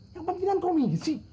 yang pentingan komisi